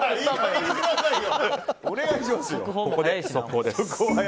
ここで速報です。